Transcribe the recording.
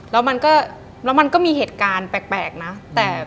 แล้วมันก็มีเหตุการณ์แปลกนะ